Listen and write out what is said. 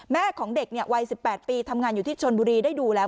แม่ของเด็กวัย๑๘ปีทำงานอยู่ที่ชนบุรีได้ดูแล้ว